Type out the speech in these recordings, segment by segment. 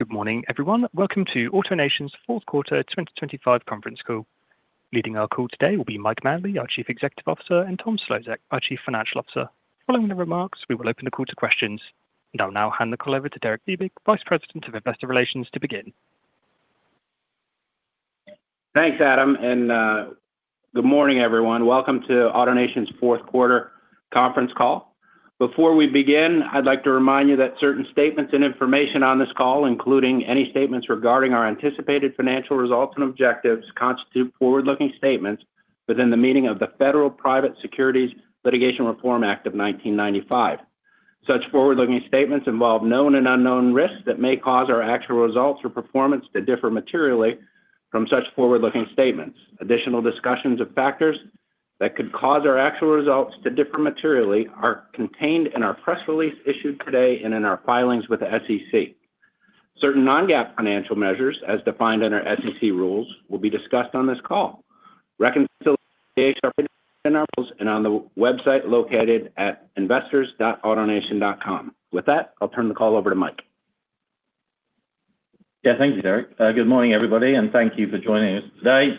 Good morning, everyone. Welcome to AutoNation's Fourth Quarter 2025 Conference Call. Leading our call today will be Mike Manley, our Chief Executive Officer, and Tom Szlosek, our Chief Financial Officer. Following the remarks, we will open the call to questions. I'll now hand the call over to Derek Fiebig, Vice President of Investor Relations, to begin. Thanks, Adam, and good morning, everyone. Welcome to AutoNation's Fourth Quarter Conference Call. Before we begin, I'd like to remind you that certain statements and information on this call, including any statements regarding our anticipated financial results and objectives, constitute forward-looking statements within the meaning of the Federal Private Securities Litigation Reform Act of 1995. Such forward-looking statements involve known and unknown risks that may cause our actual results or performance to differ materially from such forward-looking statements. Additional discussions of factors that could cause our actual results to differ materially are contained in our press release issued today and in our filings with the SEC. Certain non-GAAP financial measures, as defined in our SEC rules, will be discussed on this call. Reconciliations of our numbers are on the website located at investors.autonation.com. With that, I'll turn the call over to Mike. Yeah, thank you, Derek. Good morning, everybody, and thank you for joining us today.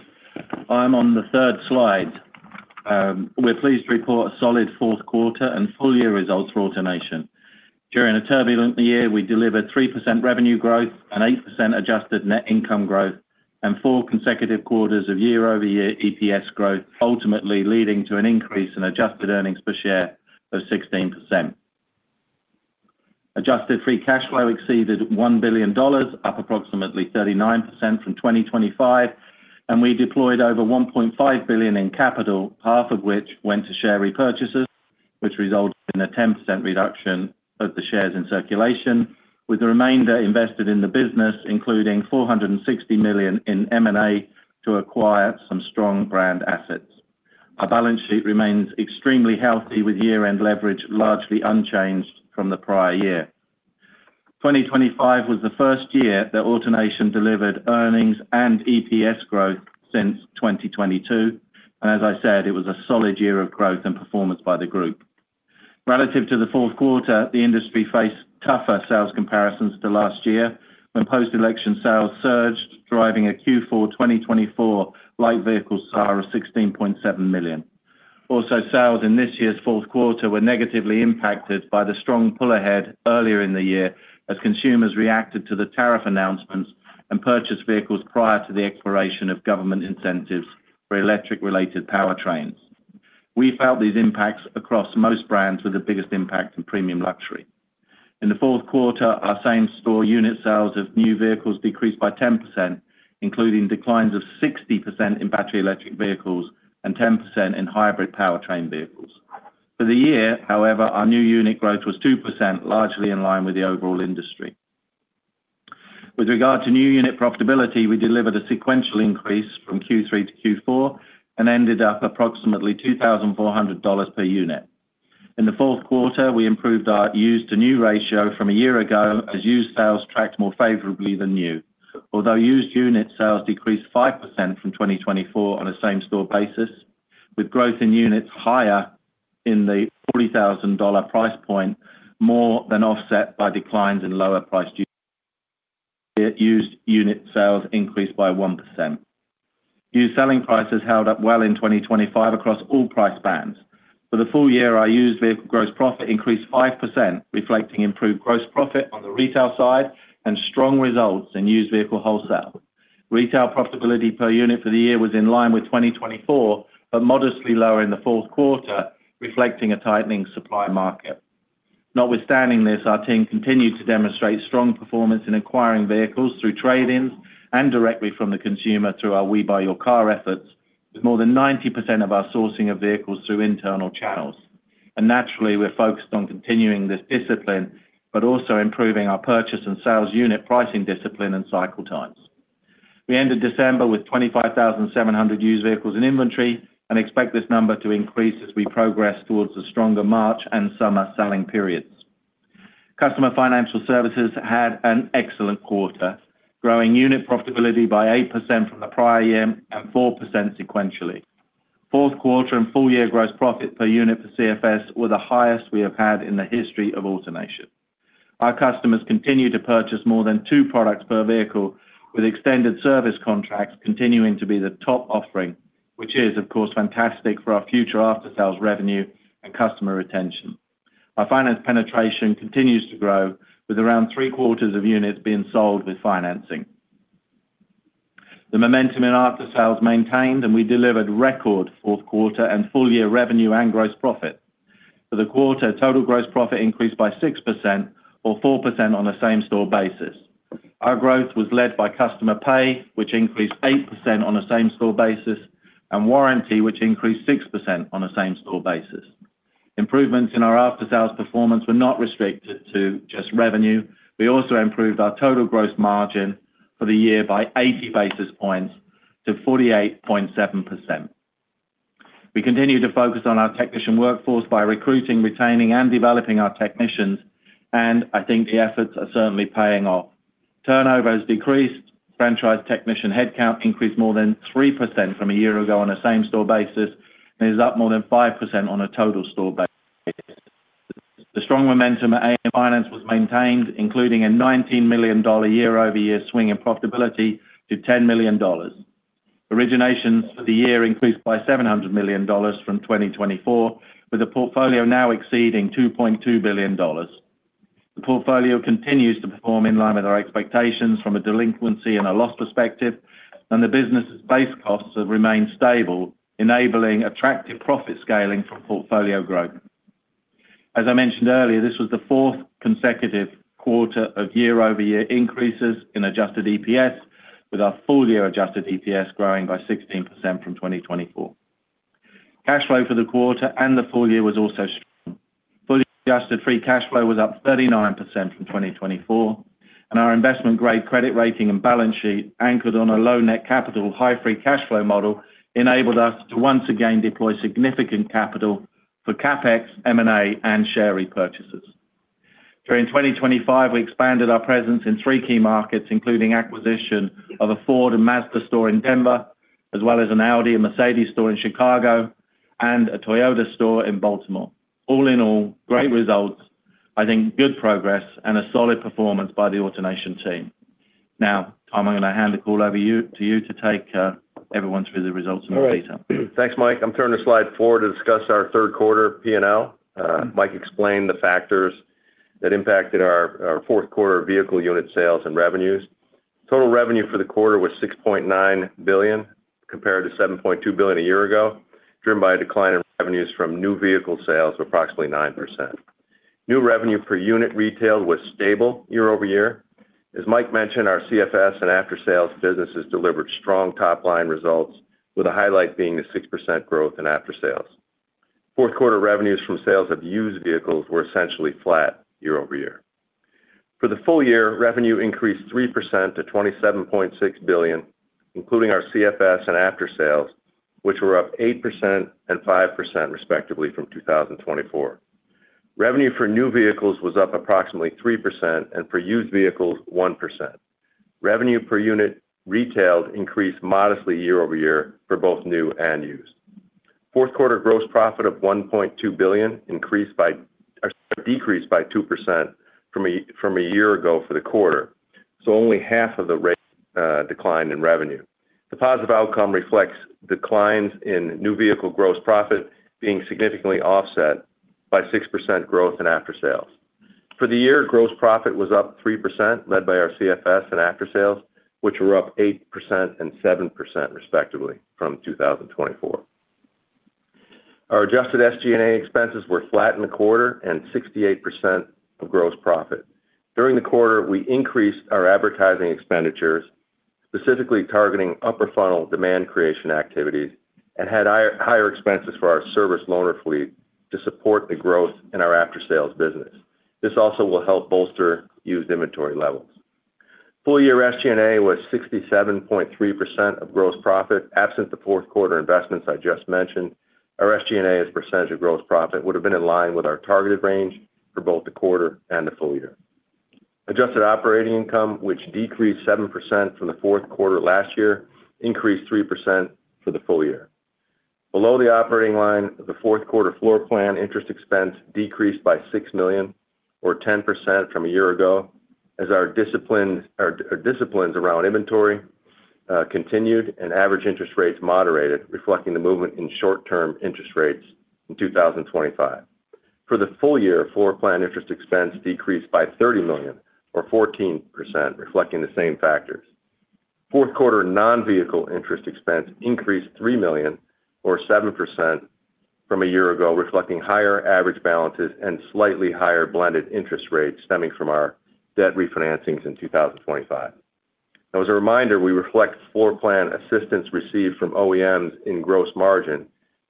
I'm on the third slide. We're pleased to report a solid fourth quarter and full year results for AutoNation. During a turbulent year, we delivered 3% revenue growth and 8% adjusted net income growth, and four consecutive quarters of year-over-year EPS growth, ultimately leading to an increase in adjusted earnings per share of 16%. Adjusted free cash flow exceeded $1 billion, up approximately 39% from 2025, and we deployed over $1.5 billion in capital, half of which went to share repurchases, which resulted in a 10% reduction of the shares in circulation, with the remainder invested in the business, including $460 million in M&A, to acquire some strong brand assets. Our balance sheet remains extremely healthy, with year-end leverage largely unchanged from the prior year. 2025 was the first year that AutoNation delivered earnings and EPS growth since 2022, and as I said, it was a solid year of growth and performance by the group. Relative to the fourth quarter, the industry faced tougher sales comparisons to last year, when post-election sales surged, driving a Q4 2024 light vehicle SAAR of 16.7 million. Also, sales in this year's fourth quarter were negatively impacted by the strong pull ahead earlier in the year, as consumers reacted to the tariff announcements and purchased vehicles prior to the expiration of government incentives for electric-related powertrains. We felt these impacts across most brands, with the biggest impact in premium luxury. In the fourth quarter, our same-store unit sales of new vehicles decreased by 10%, including declines of 60% in battery electric vehicles and 10% in hybrid powertrain vehicles. For the year, however, our new unit growth was 2%, largely in line with the overall industry. With regard to new unit profitability, we delivered a sequential increase from Q3 to Q4 and ended up approximately $2,400 per unit. In the fourth quarter, we improved our used-to-new ratio from a year ago, as used sales tracked more favorably than new. Although used unit sales decreased 5% from 2024 on a same-store basis, with growth in units higher in the $40,000 price point, more than offset by declines in lower priced used unit sales increased by 1%. Used selling prices held up well in 2025 across all price bands. For the full year, our used vehicle gross profit increased 5%, reflecting improved gross profit on the retail side and strong results in used vehicle wholesale. Retail profitability per unit for the year was in line with 2024, but modestly lower in the fourth quarter, reflecting a tightening supply market. Notwithstanding this, our team continued to demonstrate strong performance in acquiring vehicles through trade-ins and directly from the consumer through our We'll Buy Your Car efforts, with more than 90% of our sourcing of vehicles through internal channels. And naturally, we're focused on continuing this discipline, but also improving our purchase and sales unit pricing discipline and cycle times. We ended December with 25,700 used vehicles in inventory and expect this number to increase as we progress towards the stronger March and summer selling periods. Customer Financial Services had an excellent quarter, growing unit profitability by 8% from the prior year and 4% sequentially. Fourth quarter and full-year gross profit per unit for CFS were the highest we have had in the history of AutoNation. Our customers continued to purchase more than two products per vehicle, with extended service contracts continuing to be the top offering, which is, of course, fantastic for our future after-sales revenue and customer retention. Our finance penetration continues to grow, with around three-quarters of units being sold with financing. The momentum in after-sales maintained, and we delivered record fourth quarter and full-year revenue and gross profit. For the quarter, total gross profit increased by 6% or 4% on a same-store basis. Our growth was led by customer pay, which increased 8% on a same-store basis, and warranty, which increased 6% on a same-store basis. Improvements in our after-sales performance were not restricted to just revenue. We also improved our total gross margin for the year by 80 basis points to 48.7%. We continue to focus on our technician workforce by recruiting, retaining, and developing our technicians, and I think the efforts are certainly paying off. Turnover has decreased. Franchise technician headcount increased more than 3% from a year ago on a same-store basis, and is up more than 5% on a total store basis.... The strong momentum at AN Finance was maintained, including a $19 million year-over-year swing in profitability to $10 million. Originations for the year increased by $700 million from 2024, with the portfolio now exceeding $2.2 billion. The portfolio continues to perform in line with our expectations from a delinquency and a loss perspective, and the business's base costs have remained stable, enabling attractive profit scaling from portfolio growth. As I mentioned earlier, this was the fourth consecutive quarter of year-over-year increases in adjusted EPS, with our full-year adjusted EPS growing by 16% from 2024. Cash flow for the quarter and the full year was also strong. Full adjusted free cash flow was up 39% from 2024, and our investment-grade credit rating and balance sheet, anchored on a low net capital, high free cash flow model, enabled us to once again deploy significant capital for CapEx, M&A, and share repurchases. During 2025, we expanded our presence in three key markets, including acquisition of a Ford and Mazda store in Denver, as well as an Audi and Mercedes store in Chicago, and a Toyota store in Baltimore. All in all, great results, I think good progress, and a solid performance by the AutoNation team. Now, Tom, I'm going to hand it all over to you to take everyone through the results in more detail. All right. Thanks, Mike. I'm turning the slide forward to discuss our third quarter P&L. Mike explained the factors that impacted our fourth quarter vehicle unit sales and revenues. Total revenue for the quarter was $6.9 billion, compared to $7.2 billion a year ago, driven by a decline in revenues from new vehicle sales of approximately 9%. New revenue per unit retailed was stable year-over-year. As Mike mentioned, our CFS and after-sales businesses delivered strong top-line results, with a highlight being the 6% growth in after-sales. Fourth quarter revenues from sales of used vehicles were essentially flat year-over-year. For the full year, revenue increased 3% to $27.6 billion, including our CFS and after-sales, which were up 8% and 5%, respectively, from 2024. Revenue for new vehicles was up approximately 3%, and for used vehicles, 1%. Revenue per unit retailed increased modestly year over year for both new and used. Fourth quarter gross profit of $1.2 billion increased by... decreased by 2% from a, from a year ago for the quarter, so only half of the rate, decline in revenue. The positive outcome reflects declines in new vehicle gross profit being significantly offset by 6% growth in after-sales. For the year, gross profit was up 3%, led by our CFS and after-sales, which were up 8% and 7%, respectively, from 2024. Our adjusted SG&A expenses were flat in the quarter and 68% of gross profit. During the quarter, we increased our advertising expenditures, specifically targeting upper funnel demand creation activities, and had higher expenses for our service loaner fleet to support the growth in our after-sales business. This also will help bolster used inventory levels. Full year SG&A was 67.3% of gross profit. Absent the fourth quarter investments I just mentioned, our SG&A as a percentage of gross profit would have been in line with our targeted range for both the quarter and the full year. Adjusted operating income, which decreased 7% from the fourth quarter last year, increased 3% for the full year. Below the operating line, the fourth quarter floorplan interest expense decreased by $6 million, or 10% from a year ago, as our disciplines, our disciplines around inventory, continued and average interest rates moderated, reflecting the movement in short-term interest rates in 2025. For the full year, floorplan interest expense decreased by $30 million or 14%, reflecting the same factors. Fourth quarter non-vehicle interest expense increased $3 million or 7% from a year ago, reflecting higher average balances and slightly higher blended interest rates stemming from our debt refinancings in 2025. Now, as a reminder, we reflect floorplan assistance received from OEMs in gross margin.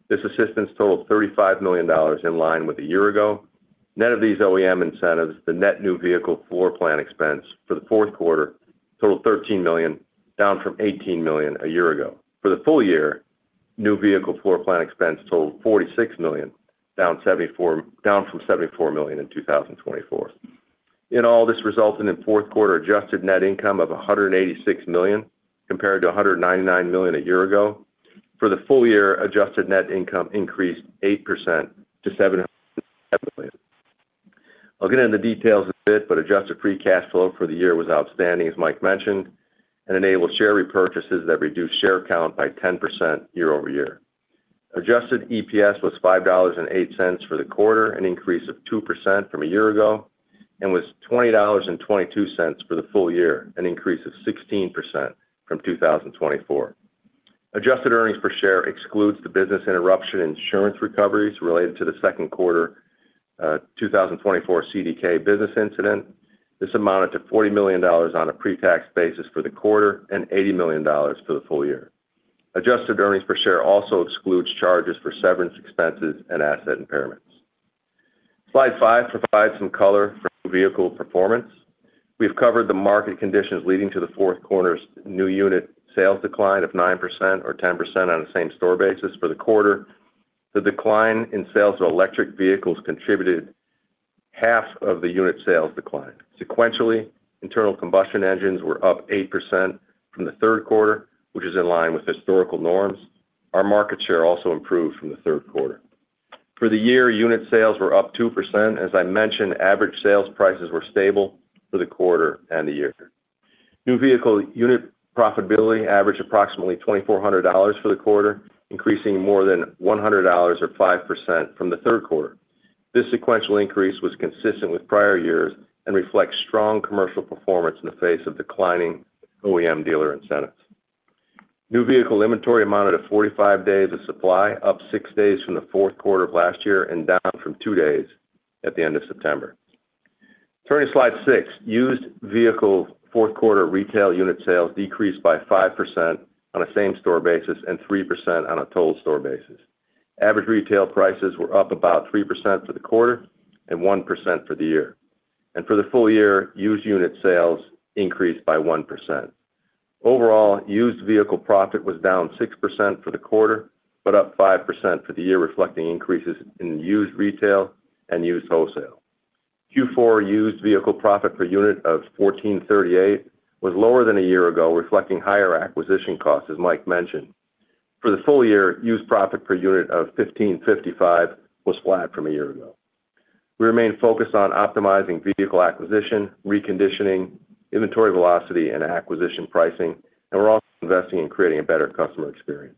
This assistance totaled $35 million, in line with a year ago. Net of these OEM incentives, the net new vehicle floorplan expense for the fourth quarter totaled $13 million, down from $18 million a year ago. For the full year, new vehicle floorplan expense totaled $46 million, down from $74 million in 2024. In all, this resulted in fourth quarter adjusted net income of $186 million, compared to $199 million a year ago. For the full year, adjusted net income increased 8% to $757 million. I'll get into the details in a bit, but adjusted free cash flow for the year was outstanding, as Mike mentioned, and enabled share repurchases that reduced share count by 10% year-over-year. Adjusted EPS was $5.08 for the quarter, an increase of 2% from a year ago, and was $20.22 for the full year, an increase of 16% from 2024. Adjusted earnings per share excludes the business interruption insurance recoveries related to the second quarter, 2024 CDK business incident. This amounted to $40 million on a pre-tax basis for the quarter and $80 million for the full year. Adjusted earnings per share also excludes charges for severance expenses and asset impairments. Slide 5 provides some color for vehicle performance. We've covered the market conditions leading to the fourth quarter's new unit sales decline of 9% or 10% on the same store basis for the quarter. The decline in sales of electric vehicles contributed to half of the unit sales decline. Sequentially, internal combustion engines were up 8% from the third quarter, which is in line with historical norms. Our market share also improved from the third quarter. For the year, unit sales were up 2%. As I mentioned, average sales prices were stable for the quarter and the year. New vehicle unit profitability averaged approximately $2,400 for the quarter, increasing more than $100 or 5% from the third quarter. This sequential increase was consistent with prior years and reflects strong commercial performance in the face of declining OEM dealer incentives. New vehicle inventory amounted to 45 days of supply, up 6 days from the fourth quarter of last year and down from two days at the end of September. Turning to slide six, used vehicle fourth quarter retail unit sales decreased by 5% on a same-store basis and 3% on a total store basis. Average retail prices were up about 3% for the quarter and 1% for the year. For the full year, used unit sales increased by 1%. Overall, used vehicle profit was down 6% for the quarter, but up 5% for the year, reflecting increases in used retail and used wholesale. Q4 used vehicle profit per unit of $1,438 was lower than a year ago, reflecting higher acquisition costs, as Mike mentioned. For the full year, used profit per unit of $1,555 was flat from a year ago. We remain focused on optimizing vehicle acquisition, reconditioning, inventory velocity, and acquisition pricing, and we're also investing in creating a better customer experience.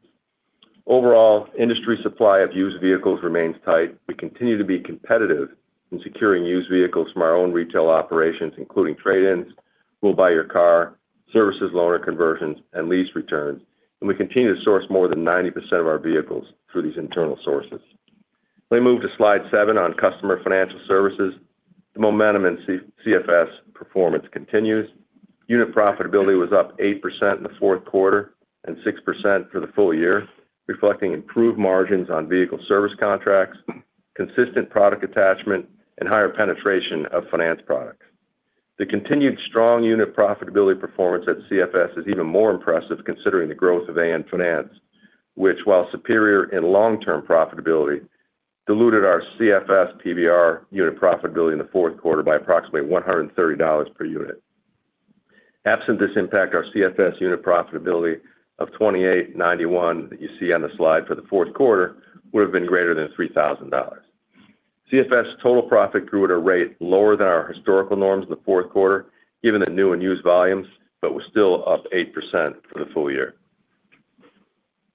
Overall, industry supply of used vehicles remains tight. We continue to be competitive in securing used vehicles from our own retail operations, including trade-ins, We'll Buy Your Car, services, loaner conversions, and lease returns, and we continue to source more than 90% of our vehicles through these internal sources. Let me move to slide seven on customer financial services. The momentum in CFS performance continues. Unit profitability was up 8% in the fourth quarter and 6% for the full year, reflecting improved margins on vehicle service contracts, consistent product attachment, and higher penetration of finance products. The continued strong unit profitability performance at CFS is even more impressive, considering the growth of AN Finance, which, while superior in long-term profitability, diluted our CFS PVR unit profitability in the fourth quarter by approximately $130 per unit. Absent this impact, our CFS unit profitability of 2,891 that you see on the slide for the fourth quarter would have been greater than $3,000. CFS total profit grew at a rate lower than our historical norms in the fourth quarter, given the new and used volumes, but was still up 8% for the full year.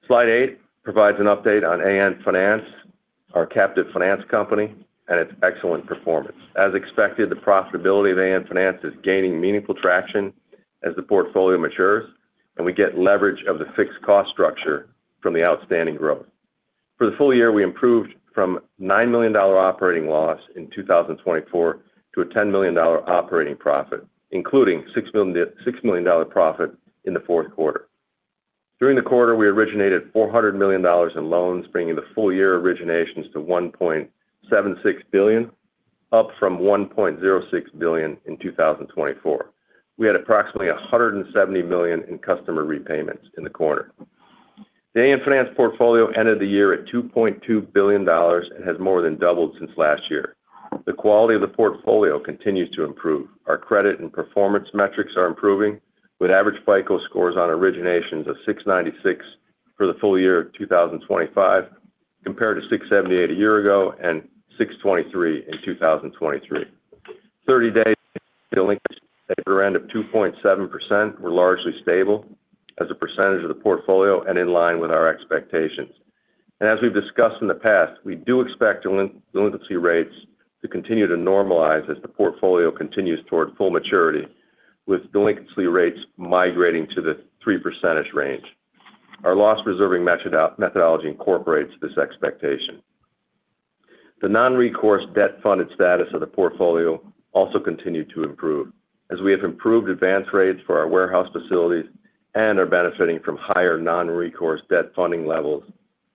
Slide eight provides an update on AN Finance, our captive finance company, and its excellent performance. As expected, the profitability of AN Finance is gaining meaningful traction as the portfolio matures and we get leverage of the fixed cost structure from the outstanding growth. For the full year, we improved from $9 million operating loss in 2024 to a $10 million operating profit, including $6 million profit in the fourth quarter. During the quarter, we originated $400 million in loans, bringing the full-year originations to $1.76 billion, up from $1.06 billion in 2024. We had approximately $170 million in customer repayments in the quarter. The AN Finance portfolio ended the year at $2.2 billion and has more than doubled since last year. The quality of the portfolio continues to improve. Our credit and performance metrics are improving, with average FICO scores on originations of 696 for the full year of 2025, compared to 678 a year ago and 623 in 2023. Thirty-day delinquencies at around 2.7% were largely stable as a percentage of the portfolio and in line with our expectations. As we've discussed in the past, we do expect delinquency rates to continue to normalize as the portfolio continues toward full maturity, with delinquency rates migrating to the 3% range. Our loss reserving methodology incorporates this expectation. The non-recourse debt-funded status of the portfolio also continued to improve, as we have improved advance rates for our warehouse facilities and are benefiting from higher non-recourse debt funding levels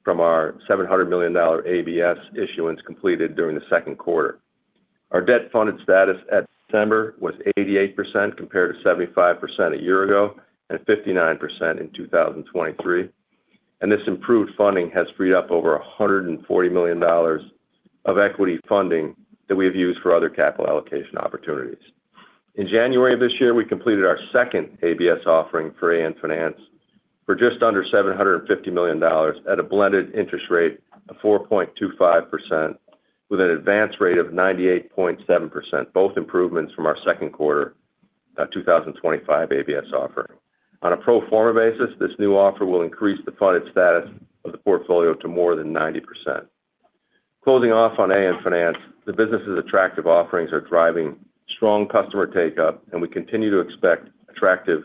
from our $700 million ABS issuance completed during the second quarter. Our debt-funded status at December was 88%, compared to 75% a year ago and 59% in 2023. And this improved funding has freed up over $140 million of equity funding that we have used for other capital allocation opportunities. In January of this year, we completed our second ABS offering for AN Finance for just under $750 million at a blended interest rate of 4.25%, with an advance rate of 98.7%, both improvements from our second quarter 2025 ABS offering. On a pro forma basis, this new offer will increase the funded status of the portfolio to more than 90%. Closing off on AN Finance, the business's attractive offerings are driving strong customer take-up, and we continue to expect attractive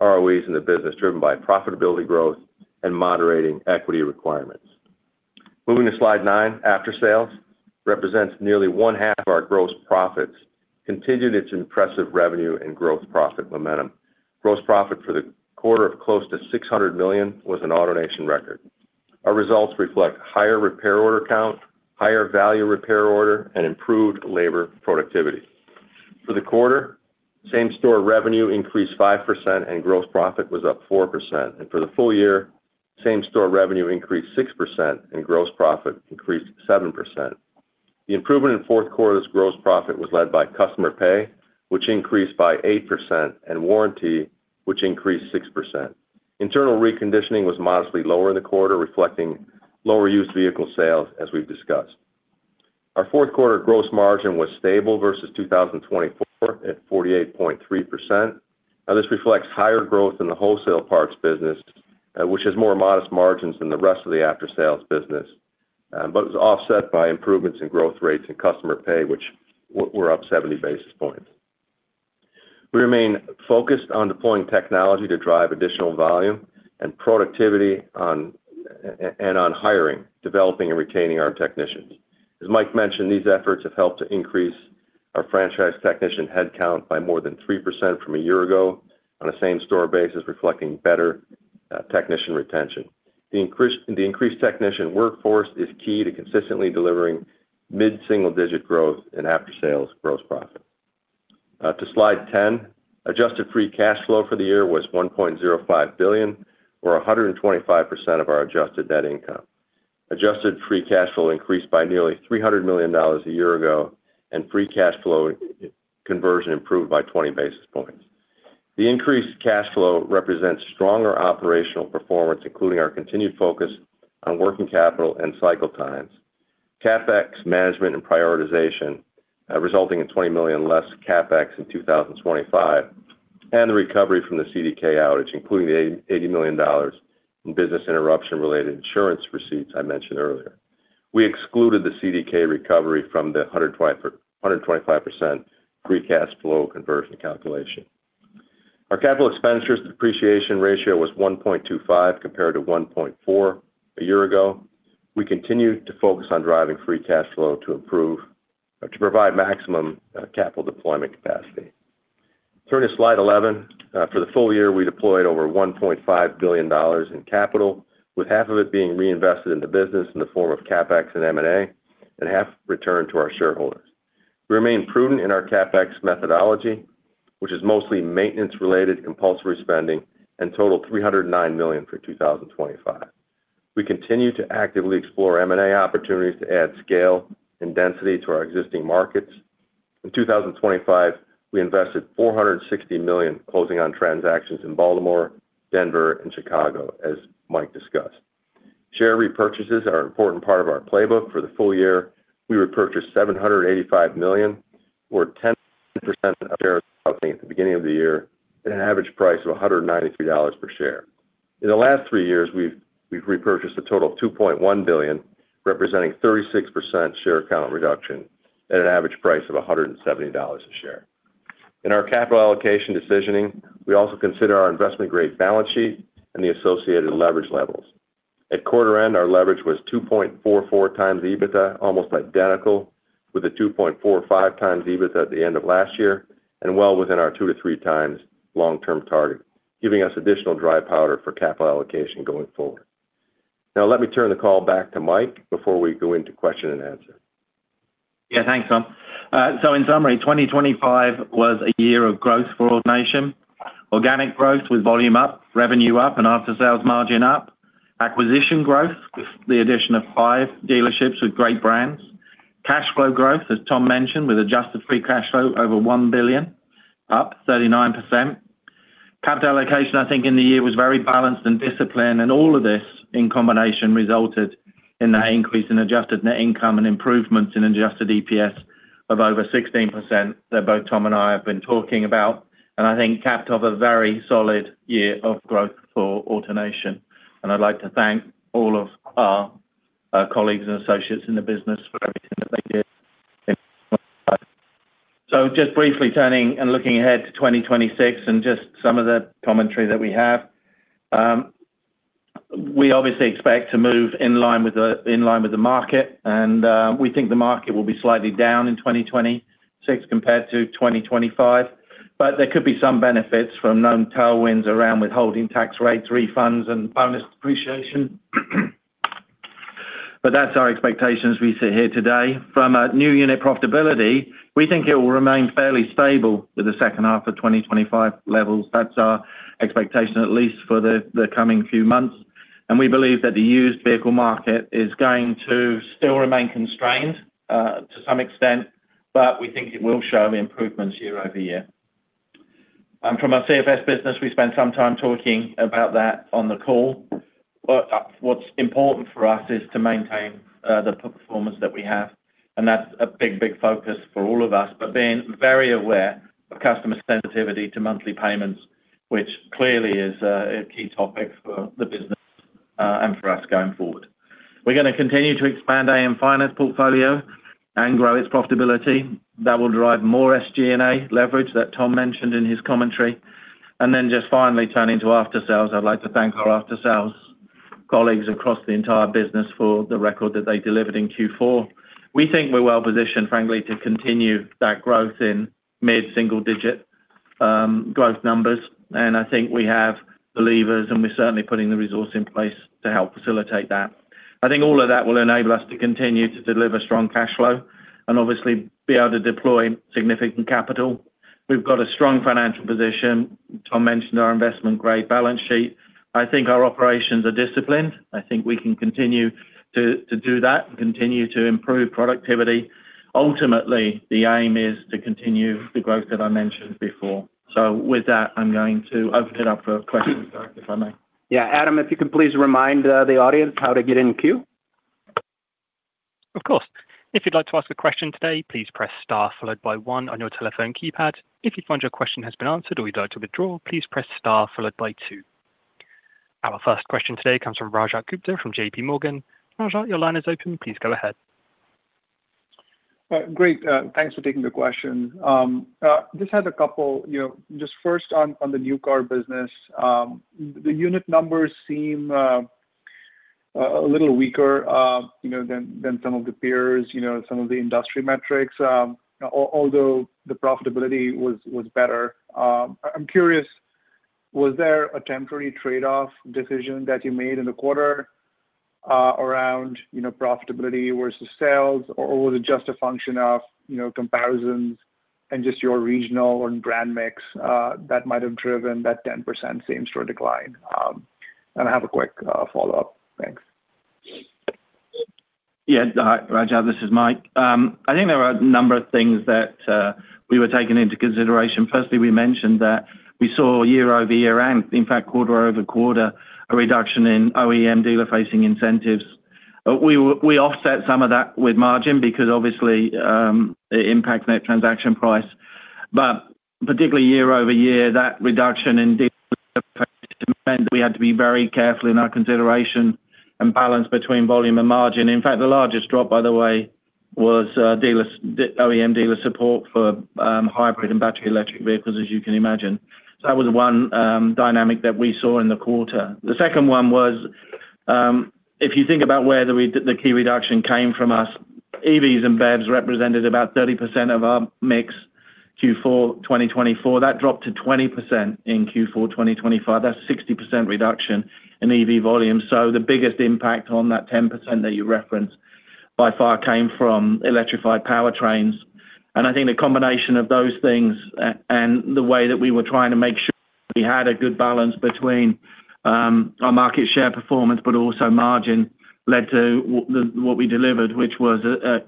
ROEs in the business, driven by profitability growth and moderating equity requirements. Moving to slide nine, after sales represents nearly one half of our gross profits, continued its impressive revenue and growth profit momentum. Gross profit for the quarter of close to $600 million was an AutoNation record. Our results reflect higher repair order count, higher value repair order, and improved labor productivity. For the quarter, same-store revenue increased 5%, and gross profit was up 4%. For the full year, same-store revenue increased 6%, and gross profit increased 7%. The improvement in fourth quarter's gross profit was led by customer pay, which increased by 8%, and warranty, which increased 6%. Internal reconditioning was modestly lower in the quarter, reflecting lower used vehicle sales, as we've discussed. Our fourth quarter gross margin was stable versus 2024, at 48.3%. Now, this reflects higher growth in the wholesale parts business, which has more modest margins than the rest of the after-sales business, but it was offset by improvements in growth rates and customer pay, which were up 70 basis points. We remain focused on deploying technology to drive additional volume and productivity on, and, and on hiring, developing, and retaining our technicians. As Mike mentioned, these efforts have helped to increase our franchise technician headcount by more than 3% from a year ago on a same-store basis, reflecting better technician retention. The increased technician workforce is key to consistently delivering mid-single-digit growth in after-sales gross profit. To slide 10, adjusted free cash flow for the year was $1.05 billion, or 125% of our adjusted net income. Adjusted free cash flow increased by nearly $300 million a year ago, and free cash flow conversion improved by 20 basis points. The increased cash flow represents stronger operational performance, including our continued focus on working capital and cycle times, CapEx management and prioritization, resulting in $20 million less CapEx in 2025, and the recovery from the CDK outage, including the $80 million in business interruption-related insurance receipts I mentioned earlier. We excluded the CDK recovery from the 125, 125% free cash flow conversion calculation. Our capital expenditures depreciation ratio was 1.25, compared to 1.4 a year ago. We continued to focus on driving free cash flow to improve, to provide maximum, capital deployment capacity. Turning to slide 11. For the full year, we deployed over $1.5 billion in capital, with half of it being reinvested in the business in the form of CapEx and M&A, and half returned to our shareholders. We remain prudent in our CapEx methodology, which is mostly maintenance-related, compulsory spending, and totaled $309 million for 2025. We continue to actively explore M&A opportunities to add scale and density to our existing markets. In 2025, we invested $460 million, closing on transactions in Baltimore, Denver, and Chicago, as Mike discussed. Share repurchases are an important part of our playbook. For the full year, we repurchased $785 million, or 10% of shares at the beginning of the year, at an average price of $193 per share. In the last three years, we've repurchased a total of $2.1 billion, representing 36% share count reduction at an average price of $170 a share. In our capital allocation decisioning, we also consider our investment-grade balance sheet and the associated leverage levels. At quarter end, our leverage was 2.44x EBITDA, almost identical with a 2.45x EBITDA at the end of last year, and well within our 2-3 times long-term target, giving us additional dry powder for capital allocation going forward. Now, let me turn the call back to Mike before we go into question and answer. Yeah, thanks, Tom. So in summary, 2025 was a year of growth for AutoNation. Organic growth with volume up, revenue up, and after-sales margin up. Acquisition growth, with the addition of five dealerships with great brands. Cash flow growth, as Tom mentioned, with Adjusted Free Cash Flow over $1 billion, up 39%. Capital allocation, I think, in the year was very balanced and disciplined, and all of this, in combination, resulted in an increase in adjusted net income and improvements in Adjusted EPS of over 16% that both Tom and I have been talking about, and I think capped off a very solid year of growth for AutoNation. I'd like to thank all of our colleagues and associates in the business for everything that they did. Just briefly turning and looking ahead to 2026 and just some of the commentary that we have. We obviously expect to move in line with the, in line with the market, and we think the market will be slightly down in 2026 compared to 2025, but there could be some benefits from known tailwinds around withholding tax rates, refunds, and bonus depreciation. But that's our expectations we see here today. From a new unit profitability, we think it will remain fairly stable with the second half of 2025 levels. That's our expectation, at least for the, the coming few months. And we believe that the used vehicle market is going to still remain constrained, to some extent, but we think it will show improvements year-over-year. And from our CFS business, we spent some time talking about that on the call. But, what's important for us is to maintain the performance that we have, and that's a big, big focus for all of us, but being very aware of customer sensitivity to monthly payments, which clearly is a key topic for the business, and for us going forward. We're gonna continue to expand AM Finance portfolio and grow its profitability. That will drive more SG&A leverage that Tom mentioned in his commentary. And then just finally, turning to aftersales, I'd like to thank our aftersales colleagues across the entire business for the record that they delivered in Q4. We think we're well positioned, frankly, to continue that growth in mid-single digit growth numbers, and I think we have believers, and we're certainly putting the resource in place to help facilitate that. I think all of that will enable us to continue to deliver strong cash flow and obviously be able to deploy significant capital. We've got a strong financial position. Tom mentioned our investment-grade balance sheet. I think our operations are disciplined. I think we can continue to do that and continue to improve productivity. Ultimately, the aim is to continue the growth that I mentioned before. With that, I'm going to open it up for questions, if I may. Yeah, Adam, if you could please remind the audience how to get in queue. Of course. If you'd like to ask a question today, please press star followed by one on your telephone keypad. If you find your question has been answered or you'd like to withdraw, please press star followed by two. Our first question today comes from Rajat Gupta from JP Morgan. Rajat, your line is open. Please go ahead. Great. Thanks for taking the question. Just had a couple, you know, just first on the new car business. The unit numbers seem a little weaker, you know, than some of the peers, you know, some of the industry metrics, although the profitability was better. I'm curious, was there a temporary trade-off decision that you made in the quarter, around, you know, profitability versus sales, or was it just a function of, you know, comparisons and just your regional and brand mix, that might have driven that 10% same store decline? And I have a quick follow-up. Thanks. Yeah, Rajat, this is Mike. I think there are a number of things that we were taking into consideration. Firstly, we mentioned that we saw year-over-year and in fact, quarter-over-quarter, a reduction in OEM dealer-facing incentives. We offset some of that with margin because obviously, it impacts net transaction price. But particularly year-over-year, that reduction we had to be very careful in our consideration and balance between volume and margin. In fact, the largest drop, by the way, was dealers, OEM dealer support for hybrid and battery electric vehicles, as you can imagine. So that was one dynamic that we saw in the quarter. The second one was, if you think about where the key reduction came from us, EVs and BEVs represented about 30% of our mix Q4 2024. That dropped to 20% in Q4 2025. That's 60% reduction in EV volume. So the biggest impact on that 10% that you referenced, by far, came from electrified powertrains. And I think the combination of those things and the way that we were trying to make sure we had a good balance between our market share performance, but also margin, led to what we delivered, which was,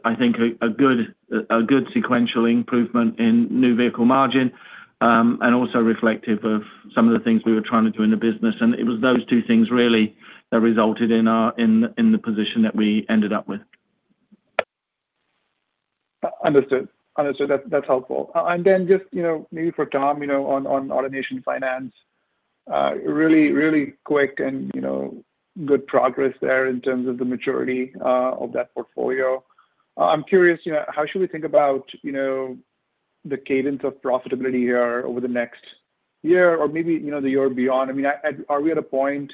I think, a good sequential improvement in new vehicle margin and also reflective of some of the things we were trying to do in the business. And it was those two things really that resulted in our position that we ended up with. Understood. Understood. That's, that's helpful. And then just, you know, maybe for Tom, you know, on, on AutoNation Finance, really, really quick and, you know, good progress there in terms of the maturity of that portfolio. I'm curious, you know, how should we think about, you know, the cadence of profitability here over the next year or maybe, you know, the year beyond? I mean, are, are we at a point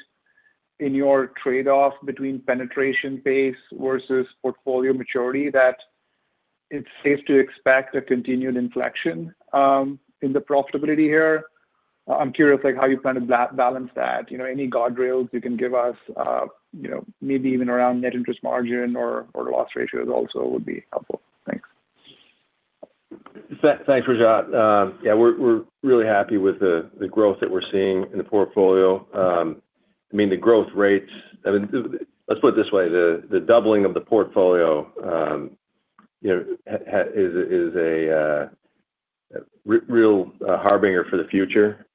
in your trade-off between penetration pace versus portfolio maturity, that it's safe to expect a continued inflection in the profitability here? I'm curious, like, how you plan to balance that. You know, any guardrails you can give us, you know, maybe even around net interest margin or, or loss ratios also would be helpful. Thanks. Thanks, Rajat. Yeah, we're really happy with the growth that we're seeing in the portfolio. I mean, the growth rates, I mean, let's put it this way, the doubling of the portfolio, you know, is a real harbinger for the future.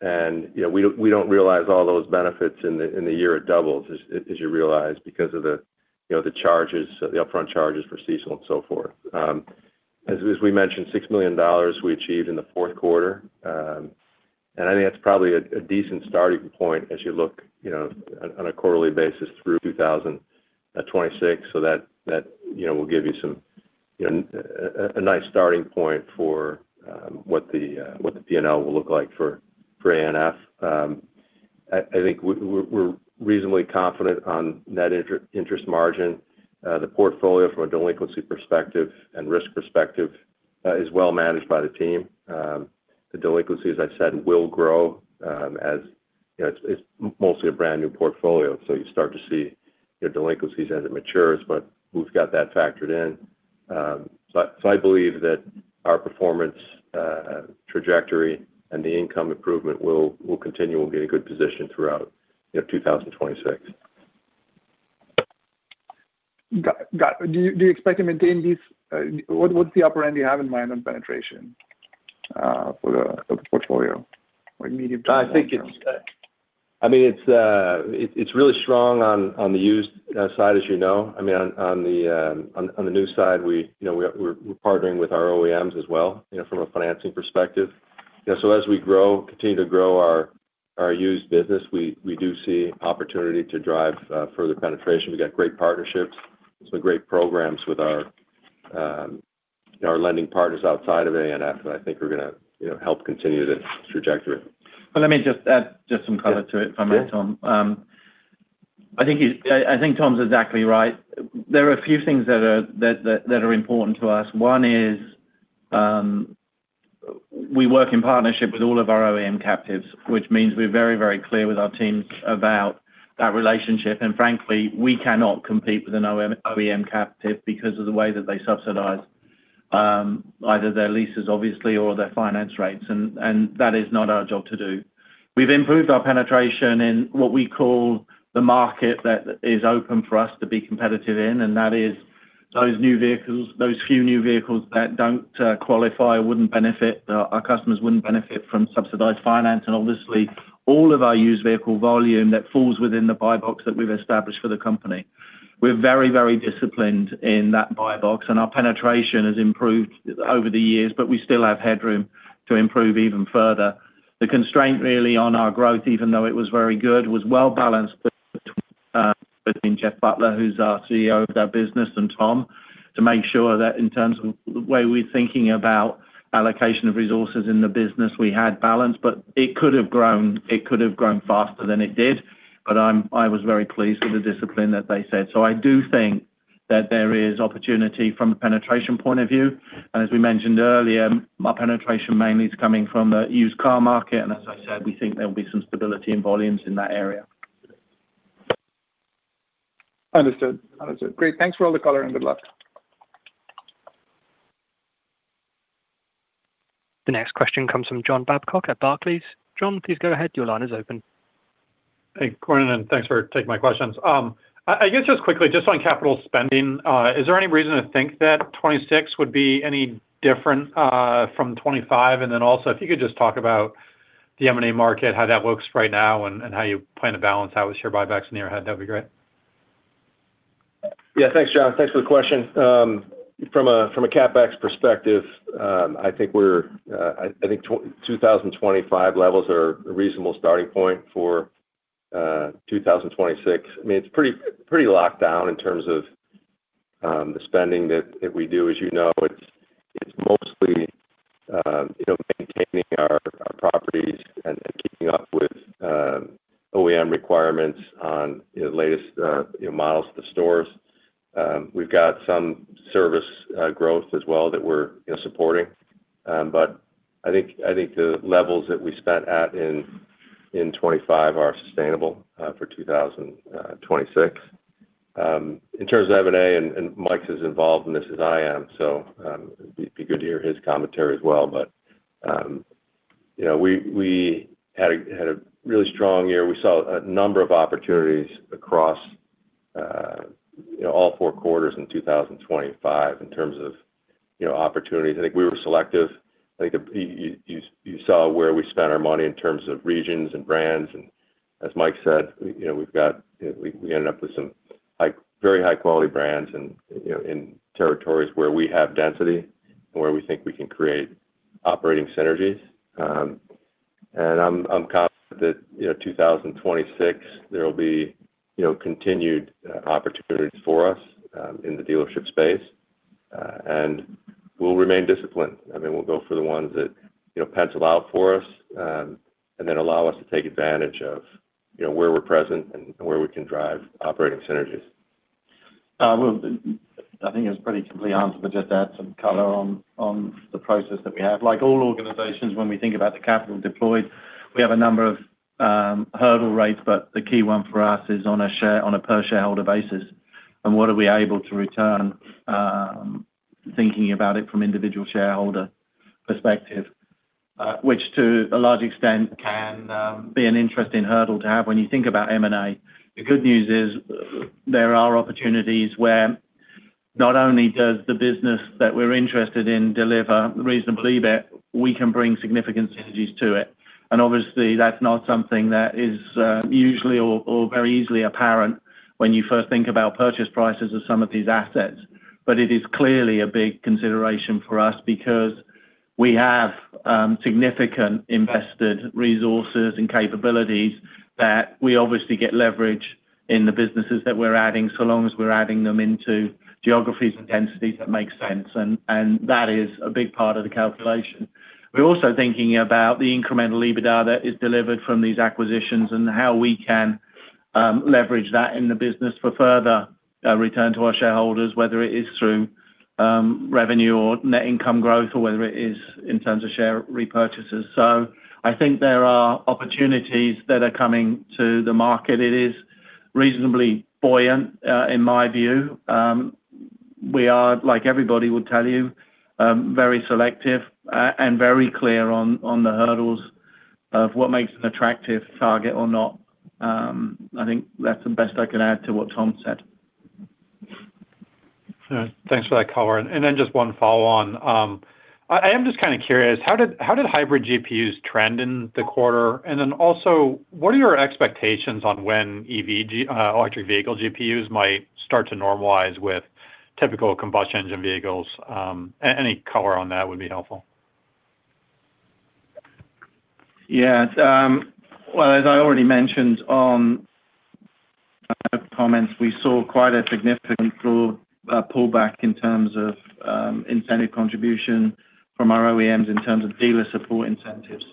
And, you know, we don't realize all those benefits in the year it doubles, as you realize, because of the, you know, the charges, the upfront charges for CECL and so forth. As we mentioned, $6 million we achieved in the fourth quarter. And I think that's probably a decent starting point as you look, you know, on a quarterly basis through 2026. So that, you know, will give you some, you know, a nice starting point for what the, what the P&L will look like for ANF. I think we're reasonably confident on net interest margin. The portfolio from a delinquency perspective and risk perspective is well managed by the team. The delinquency, as I said, will grow as... You know, it's mostly a brand-new portfolio, so you start to see your delinquencies as it matures, but we've got that factored in. So I believe that our performance trajectory and the income improvement will continue. We'll be in a good position throughout, you know, 2026. Do you expect to maintain these? What's the upper end you have in mind on penetration for the portfolio or immediate- I think it's, I mean, it's really strong on, on the used, side, as you know. I mean, on, on the, on the new side, we, you know, we're, we're partnering with our OEMs as well, you know, from a financing perspective. You know, so as we grow, continue to grow our, our used business, we, we do see opportunity to drive, further penetration. We got great partnerships, some great programs with our, our lending partners outside of ANF, that I think are going to, you know, help continue this trajectory. Well, let me just add just some color to it, if I may, Tom. Sure. I think Tom's exactly right. There are a few things that are important to us. One is, we work in partnership with all of our OEM captives, which means we're very, very clear with our teams about that relationship. And frankly, we cannot compete with an OEM captive because of the way that they subsidize either their leases, obviously, or their finance rates, and that is not our job to do. We've improved our penetration in what we call the market that is open for us to be competitive in, and that is those new vehicles, those few new vehicles that don't qualify or wouldn't benefit our customers wouldn't benefit from subsidized finance. And obviously, all of our used vehicle volume that falls within the buy box that we've established for the company. We're very, very disciplined in that buy box, and our penetration has improved over the years, but we still have headroom to improve even further. The constraint, really, on our growth, even though it was very good, was well-balanced between Jeff Butler, who's our CEO of our business, and Tom, to make sure that in terms of the way we're thinking about allocation of resources in the business, we had balance. But it could have grown, it could have grown faster than it did, but I was very pleased with the discipline that they set. So I do think that there is opportunity from a penetration point of view. And as we mentioned earlier, our penetration mainly is coming from the used car market, and as I said, we think there will be some stability in volumes in that area. Understood. Understood. Great. Thanks for all the color, and good luck. The next question comes from John Babcock at Barclays. John, please go ahead. Your line is open. Hey, good morning, and thanks for taking my questions. I guess just quickly, just on capital spending, is there any reason to think that 2026 would be any different from 2025? And then also, if you could just talk about the M&A market, how that looks right now, and how you plan to balance that with share buybacks in the near ahead, that'd be great. Yeah. Thanks, John. Thanks for the question. From a CapEx perspective, I think we're, I think 2025 levels are a reasonable starting point for 2026. I mean, it's pretty locked down in terms of the spending that we do. As you know, it's mostly you know, maintaining our properties and keeping up with OEM requirements on the latest you know, models to the stores. We've got some service growth as well that we're you know, supporting. But I think the levels that we spent at in 2025 are sustainable for 2026. In terms of M&A, and Mike is as involved in this as I am, so it'd be good to hear his commentary as well. But you know, we had a really strong year. We saw a number of opportunities across, you know, all four quarters in 2025 in terms of, you know, opportunities. I think we were selective. I think you saw where we spent our money in terms of regions and brands. And as Mike said, you know, we've got we ended up with some like very high-quality brands and, you know, in territories where we have density, where we think we can create operating synergies. And I'm confident that, you know, 2026, there will be, you know, continued opportunities for us in the dealership space, and we'll remain disciplined, and then we'll go for the ones that, you know, pencil out for us, and then allow us to take advantage of, you know, where we're present and where we can drive operating synergies. Well, I think it's a pretty complete answer, but just to add some color on the process that we have. Like all organizations, when we think about the capital deployed, we have a number of hurdle rates, but the key one for us is on a per shareholder basis, and what are we able to return, thinking about it from individual shareholder perspective, which to a large extent can be an interesting hurdle to have when you think about M&A. The good news is there are opportunities where not only does the business that we're interested in deliver reasonable event, we can bring significant synergies to it. And obviously, that's not something that is usually or very easily apparent when you first think about purchase prices of some of these assets. But it is clearly a big consideration for us because we have significant invested resources and capabilities that we obviously get leverage in the businesses that we're adding, so long as we're adding them into geographies and densities that makes sense, and that is a big part of the calculation. We're also thinking about the incremental EBITDA that is delivered from these acquisitions and how we can leverage that in the business for further return to our shareholders, whether it is through revenue or net income growth or whether it is in terms of share repurchases. So I think there are opportunities that are coming to the market. It is reasonably buoyant in my view. We are, like everybody would tell you, very selective and very clear on the hurdles of what makes an attractive target or not. I think that's the best I can add to what Tom said. All right. Thanks for that color. And then just one follow-on. I am just kind of curious, how did hybrid GPUs trend in the quarter? And then also, what are your expectations on when EVG, electric vehicle GPUs might start to normalize with typical combustion engine vehicles? Any color on that would be helpful. Yeah. Well, as I already mentioned on comments, we saw quite a significant pullback in terms of incentive contribution from our OEMs in terms of dealer support incentives.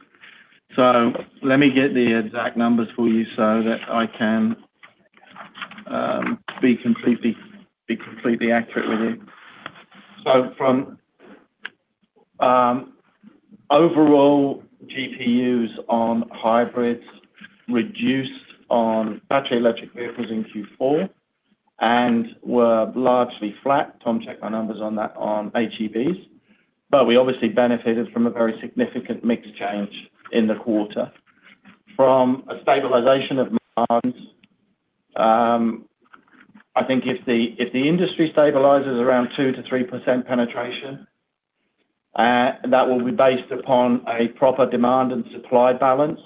So let me get the exact numbers for you so that I can be completely accurate with you. Overall, GPUs on hybrids reduced on battery electric vehicles in Q4 and were largely flat. Tom, check my numbers on that on HEVs. But we obviously benefited from a very significant mix change in the quarter. From a stabilization of margins, I think if the industry stabilizes around 2%-3% penetration, that will be based upon a proper demand and supply balance,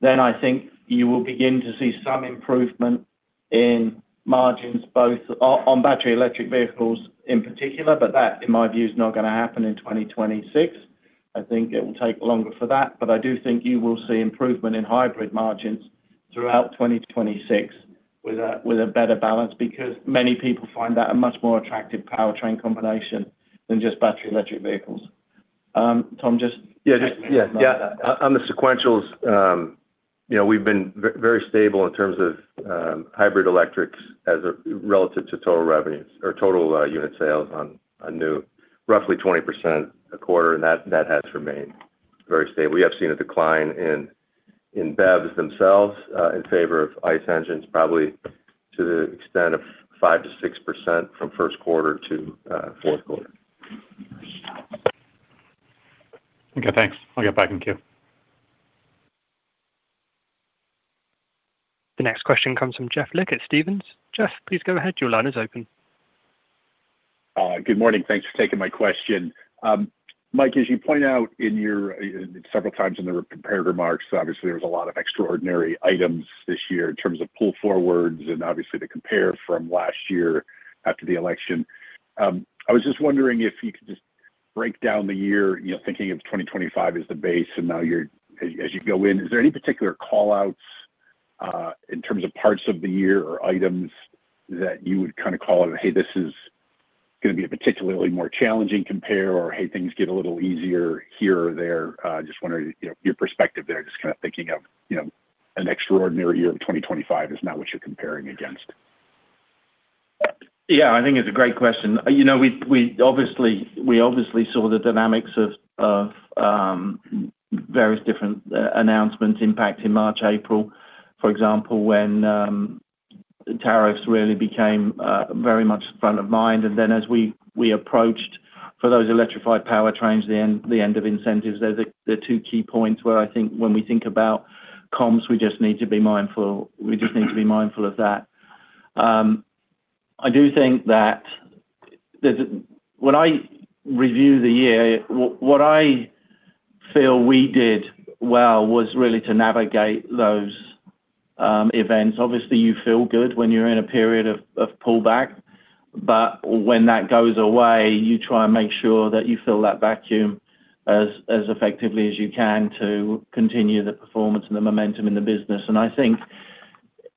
then I think you will begin to see some improvement in margins, both on battery electric vehicles in particular, but that, in my view, is not going to happen in 2026. I think it will take longer for that, but I do think you will see improvement in hybrid margins throughout 2026 with a better balance, because many people find that a much more attractive powertrain combination than just battery electric vehicles. Tom, just- Yeah, just yeah. Yeah. On the sequentials, you know, we've been very stable in terms of hybrid electrics as relative to total revenues or total unit sales on new, roughly 20% a quarter, and that has remained very stable. We have seen a decline in BEVs themselves in favor of ICE engines, probably to the extent of 5%-6% from first quarter to fourth quarter. Okay, thanks. I'll get back in queue. The next question comes from Jeff Lick at Stephens. Jeff, please go ahead. Your line is open. Good morning. Thanks for taking my question. Mike, as you point out in your several times in the prepared remarks, obviously, there was a lot of extraordinary items this year in terms of pull forwards and obviously the compare from last year after the election. I was just wondering if you could just break down the year, you know, thinking of 2025 as the base, and now you're... As you go in, is there any particular call-outs in terms of parts of the year or items that you would kind of call it, Hey, this is gonna be a particularly more challenging compare, or, Hey, things get a little easier here or there? Just wondering, you know, your perspective there, just kinda thinking of, you know, an extraordinary year of 2025 is not what you're comparing against. Yeah, I think it's a great question. You know, we, we obviously, we obviously saw the dynamics of, of, various different announcements impact in March, April, for example, when tariffs really became very much front of mind. And then as we, we approached for those electrified powertrains, the end of incentives. They're the two key points where I think when we think about comms, we just need to be mindful, we just need to be mindful of that. I do think that there's... When I review the year, what I feel we did well was really to navigate those events. Obviously, you feel good when you're in a period of pullback, but when that goes away, you try and make sure that you fill that vacuum as effectively as you can to continue the performance and the momentum in the business. And I think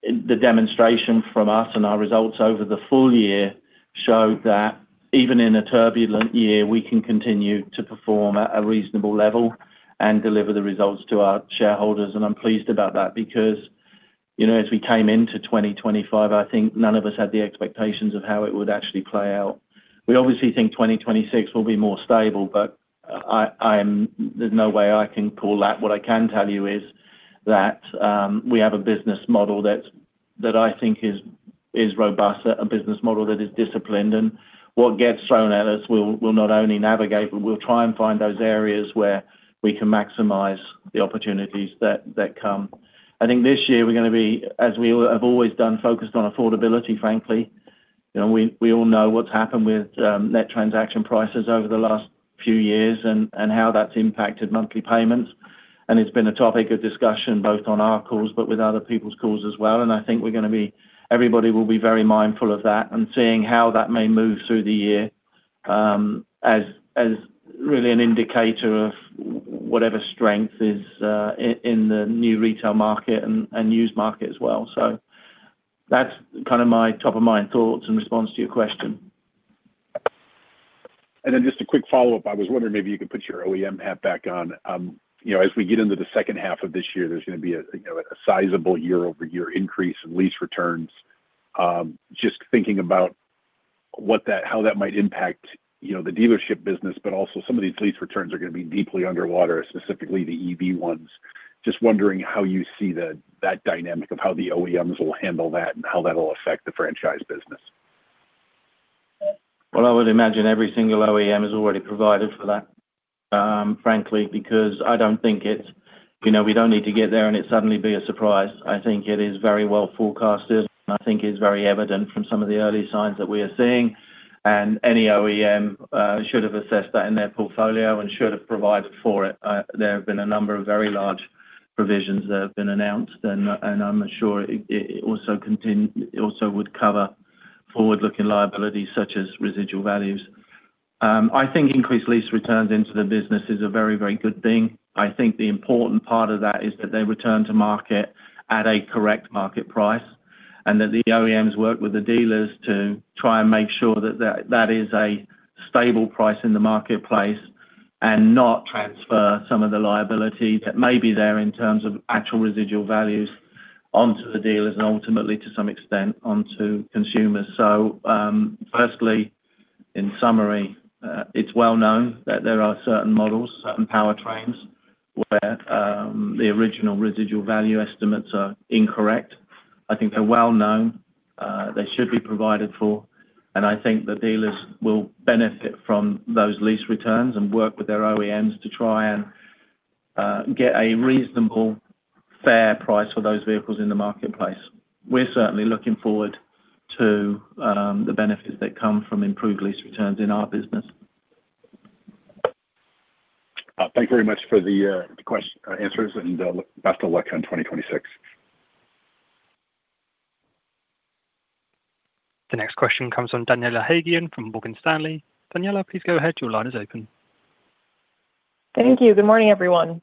the demonstration from us and our results over the full year show that even in a turbulent year, we can continue to perform at a reasonable level and deliver the results to our shareholders. And I'm pleased about that because, you know, as we came into 2025, I think none of us had the expectations of how it would actually play out. We obviously think 2026 will be more stable, but I'm—there's no way I can call that. What I can tell you is that we have a business model that I think is robust, a business model that is disciplined, and what gets thrown at us will not only navigate, but we'll try and find those areas where we can maximize the opportunities that come. I think this year, we're gonna be, as we have always done, focused on affordability, frankly. You know, we all know what's happened with net transaction prices over the last few years and how that's impacted monthly payments. And it's been a topic of discussion, both on our calls, but with other people's calls as well. And I think we're gonna be... Everybody will be very mindful of that and seeing how that may move through the year, as really an indicator of whatever strength is in the new retail market and used market as well. So that's kind of my top-of-mind thoughts in response to your question. And then just a quick follow-up. I was wondering if you could put your OEM hat back on. You know, as we get into the second half of this year, there's gonna be a, you know, a sizable year-over-year increase in lease returns. Just thinking about what that, how that might impact, you know, the dealership business, but also some of these lease returns are gonna be deeply underwater, specifically the EV ones. Just wondering how you see that dynamic of how the OEMs will handle that and how that will affect the franchise business. Well, I would imagine every single OEM has already provided for that, frankly, because I don't think it... You know, we don't need to get there and it suddenly be a surprise. I think it is very well forecasted. I think it's very evident from some of the early signs that we are seeing, and any OEM should have assessed that in their portfolio and should have provided for it. There have been a number of very large provisions that have been announced, and I'm sure it also would cover forward-looking liabilities, such as residual values. I think increased lease returns into the business is a very, very good thing. I think the important part of that is that they return to market at a correct market price.... and that the OEMs work with the dealers to try and make sure that that is a stable price in the marketplace, and not transfer some of the liability that may be there in terms of actual residual values onto the dealers and ultimately, to some extent, onto consumers. So, firstly, in summary, it's well known that there are certain models, certain powertrains, where the original residual value estimates are incorrect. I think they're well known. They should be provided for, and I think the dealers will benefit from those lease returns and work with their OEMs to try and get a reasonable, fair price for those vehicles in the marketplace. We're certainly looking forward to the benefits that come from improved lease returns in our business. Thank you very much for the questions and answers, and best of luck on 2026. The next question comes from Daniela Haigian from Morgan Stanley. Daniela, please go ahead. Your line is open. Thank you. Good morning, everyone.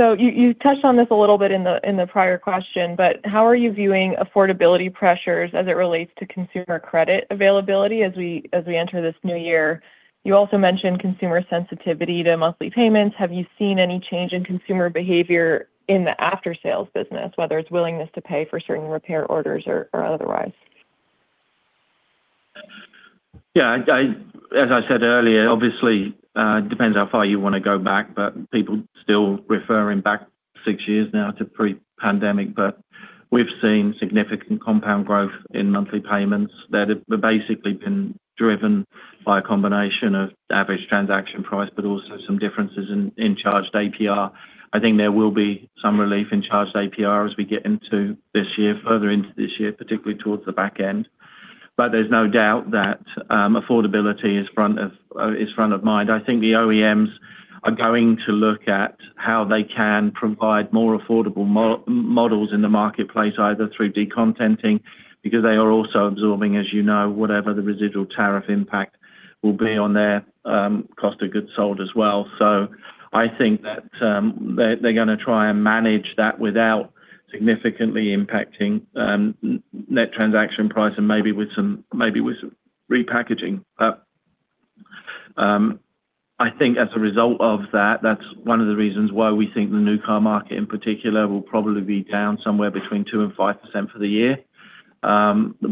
So you touched on this a little bit in the prior question, but how are you viewing affordability pressures as it relates to consumer credit availability as we enter this new year? You also mentioned consumer sensitivity to monthly payments. Have you seen any change in consumer behavior in the after-sales business, whether it's willingness to pay for certain repair orders or otherwise? Yeah, as I said earlier, obviously, it depends how far you wanna go back, but people still referring back six years now to pre-pandemic. But we've seen significant compound growth in monthly payments that have basically been driven by a combination of average transaction price, but also some differences in charged APR. I think there will be some relief in charged APR as we get into this year, further into this year, particularly towards the back end. But there's no doubt that affordability is front of mind. I think the OEMs are going to look at how they can provide more affordable models in the marketplace, either through decontenting, because they are also absorbing, as you know, whatever the residual tariff impact will be on their cost of goods sold as well. So I think that, they, they're gonna try and manage that without significantly impacting, net transaction price and maybe with some, maybe with some repackaging. But, I think as a result of that, that's one of the reasons why we think the new car market, in particular, will probably be down somewhere between 2% and 5% for the year.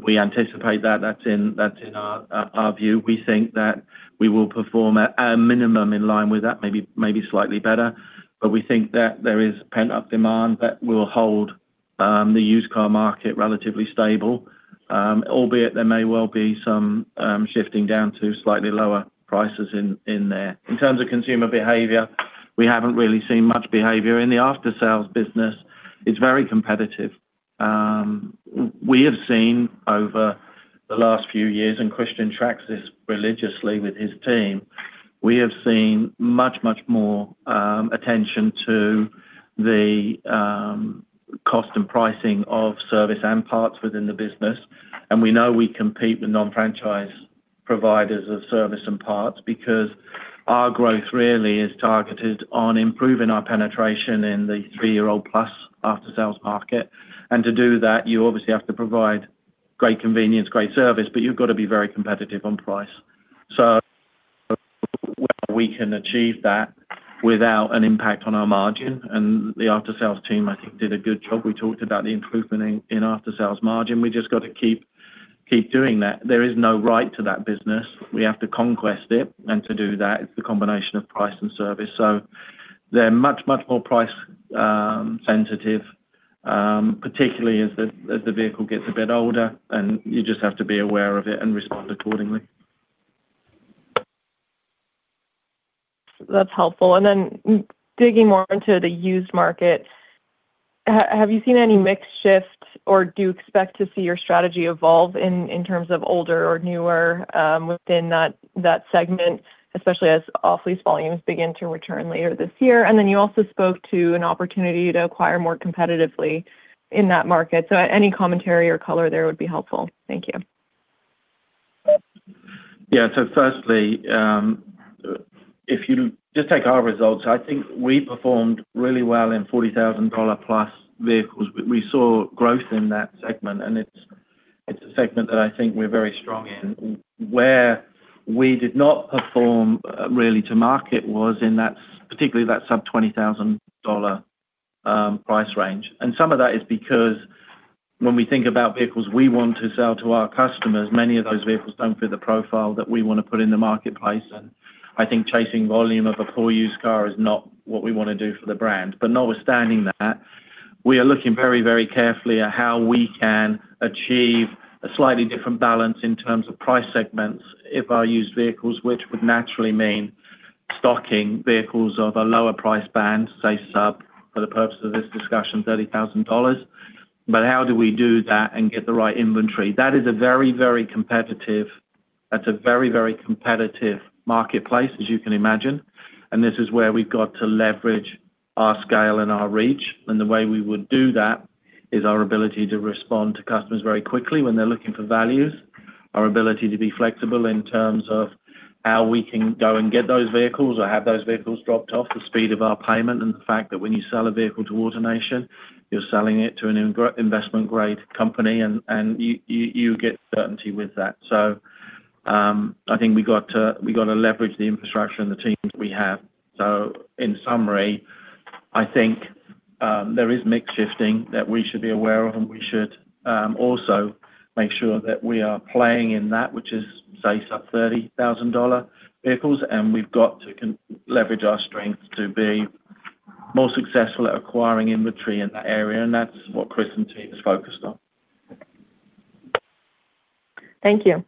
We anticipate that. That's in our view. We think that we will perform at a minimum in line with that, maybe slightly better. But we think that there is pent-up demand that will hold, the used car market relatively stable. Albeit there may well be some, shifting down to slightly lower prices in there. In terms of consumer behavior, we haven't really seen much behavior in the after-sales business. It's very competitive. We have seen over the last few years, and Christian tracks this religiously with his team, we have seen much, much more attention to the cost and pricing of service and parts within the business. And we know we compete with non-franchise providers of service and parts because our growth really is targeted on improving our penetration in the three-year-old-plus after-sales market. And to do that, you obviously have to provide great convenience, great service, but you've got to be very competitive on price. So we can achieve that without an impact on our margin, and the after-sales team, I think, did a good job. We talked about the improvement in after-sales margin. We just got to keep doing that. There is no right to that business. We have to conquest it, and to do that, it's the combination of price and service. So they're much, much more price sensitive, particularly as the vehicle gets a bit older, and you just have to be aware of it and respond accordingly. That's helpful. And then digging more into the used market, have you seen any mix shifts or do you expect to see your strategy evolve in, in terms of older or newer, within that, that segment, especially as off-lease volumes begin to return later this year? And then you also spoke to an opportunity to acquire more competitively in that market. So any commentary or color there would be helpful. Thank you. Yeah. So firstly, if you just take our results, I think we performed really well in $40,000+ vehicles. We saw growth in that segment, and it's, it's a segment that I think we're very strong in. Where we did not perform really to market was in that... particularly that sub-$20,000 price range. And some of that is because when we think about vehicles we want to sell to our customers, many of those vehicles don't fit the profile that we wanna put in the marketplace. And I think chasing volume of a poor used car is not what we wanna do for the brand. But notwithstanding that, we are looking very, very carefully at how we can achieve a slightly different balance in terms of price segments of our used vehicles, which would naturally mean stocking vehicles of a lower price band, say sub $30,000, for the purpose of this discussion. But how do we do that and get the right inventory? That is a very, very competitive... That's a very, very competitive marketplace, as you can imagine. And this is where we've got to leverage our scale and our reach. And the way we would do that is our ability to respond to customers very quickly when they're looking for values.... Our ability to be flexible in terms of how we can go and get those vehicles or have those vehicles dropped off, the speed of our payment, and the fact that when you sell a vehicle to AutoNation, you're selling it to an investment grade company, and you get certainty with that. So, I think we got to leverage the infrastructure and the teams we have. So in summary, I think there is mix shifting that we should be aware of, and we should also make sure that we are playing in that, which is, say, sub-$30,000 vehicles, and we've got to leverage our strengths to be more successful at acquiring inventory in that area, and that's what Chris and team is focused on. Thank you.